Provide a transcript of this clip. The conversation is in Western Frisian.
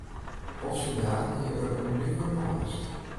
Al syn dagen hie er in nuver man west.